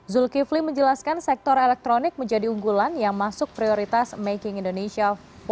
zulkifli menjelaskan sektor elektronik menjadi unggulan yang masuk prioritas making indonesia empat